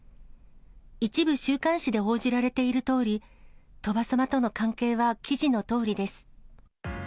一部、週刊誌で報じられているとおり、鳥羽様との関係は記事のとおりです。